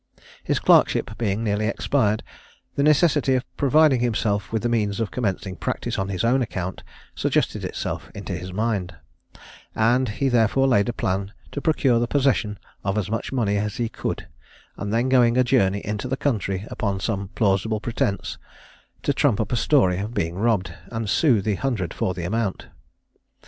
His clerkship being nearly expired, the necessity of providing himself with the means of commencing practice on his own account suggested itself to his mind, and he therefore laid a plan to procure the possession of as much money as he could, and then going a journey into the country, upon some plausible pretence, to trump up a story of being robbed, and sue the hundred for the amount.